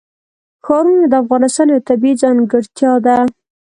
ښارونه د افغانستان یوه طبیعي ځانګړتیا ده.